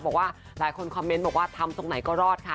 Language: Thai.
บอกว่าหลายคนคอมเมนต์บอกว่าทำตรงไหนก็รอดค่ะ